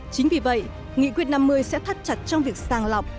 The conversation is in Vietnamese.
chính vì vậy nghị quyết năm mươi sẽ thắt chặt trong việc sàng lọc